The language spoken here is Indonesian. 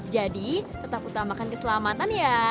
tetap utamakan keselamatan ya